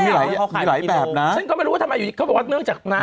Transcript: ไม่รู้ว่าทำไมอยู่ที่นี่เขาบอกว่าเนื้อจากนัก